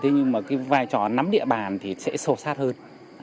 nhưng vai trò nắm địa bàn sẽ sâu sát hơn